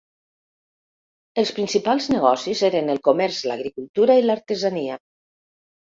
Els principals negocis eren el comerç, l'agricultura i l'artesania.